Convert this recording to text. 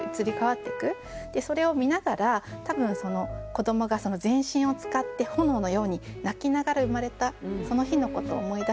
それを見ながら多分子どもが全身を使って炎のように泣きながら生まれたその日のことを思い出してる。